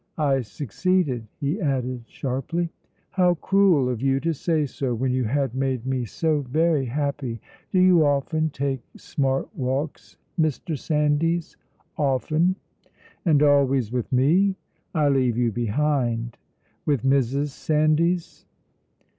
"I succeeded," he added sharply. "How cruel of you to say so, when you had made me so very happy! Do you often take smart walks, Mr. Sandys?" "Often." "And always with me?" "I leave you behind." "With Mrs. Sandys?"